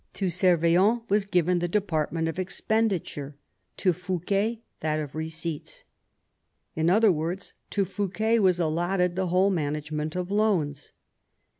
To Servien was given the department of expenditure, to Fouquet that of receipts. In other words, to Fouquet was allotted the whole management of loans.